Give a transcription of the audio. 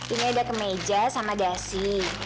ini ada kemeja sama dasi